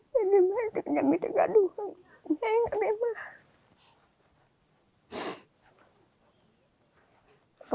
saya nggak bisa jatuh